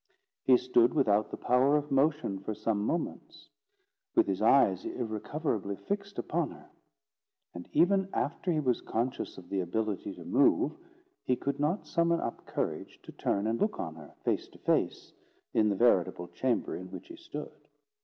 He stood without the power of motion for some moments, with his eyes irrecoverably fixed upon her; and even after he was conscious of the ability to move, he could not summon up courage to turn and look on her, face to face, in the veritable chamber in which he stood.